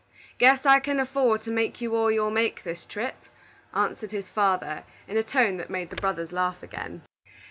"Guess I can afford to give you all you'll make this trip," answered his father, in a tone that made the brothers laugh again.